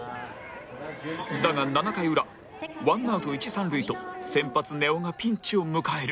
だが７回裏ワンアウト一三塁と先発根尾がピンチを迎える